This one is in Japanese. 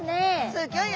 すギョい